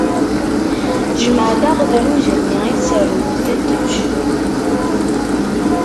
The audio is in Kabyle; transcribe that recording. Jmeɛ-d aɣedluj-nni i tserdunt ad t-tečč.